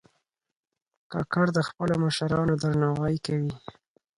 کاکړ د خپلو مشرانو درناوی کوي.